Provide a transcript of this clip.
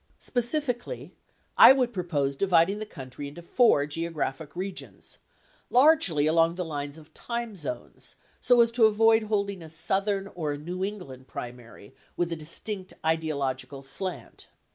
Specifically, I would propose dividing the country into four geographic regions, largely along the lines of time zones so as to avoid holding a Southern or a New England primary with a distinct ideological slant.